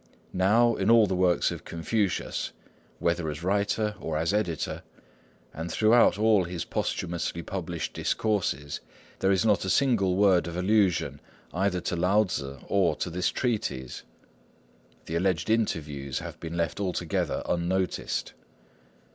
Now, in all the works of Confucius, whether as writer or as editor, and throughout all his posthumously published Discourses, there is not a single word of allusion either to Lao Tzŭ or to this treatise. The alleged interviews have been left altogether unnoticed.